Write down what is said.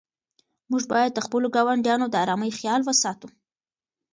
موږ باید د خپلو ګاونډیانو د آرامۍ خیال وساتو.